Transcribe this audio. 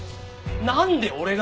なんで俺が。